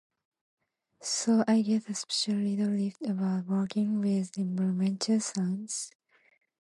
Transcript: So I get a special little lift about working with environmental sounds.